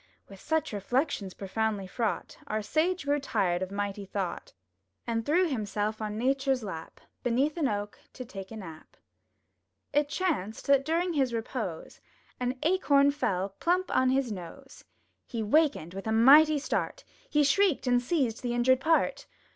*' With such reflections proudly fraught. Our Sage grew tired of mighty thought, And threw himself on Nature's lap, Beneath an oak, to take a nap. It chanced that during his repose. An Acorn fell plump on his nose! He wakened with a mighty start; He shrieked and seized the injured part!